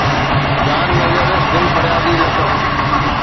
جان نظر دل فريادي لقب